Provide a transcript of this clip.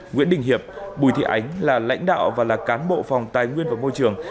nguyễn đình hiệp bùi thị ánh là lãnh đạo và là cán bộ phòng tài nguyên và môi trường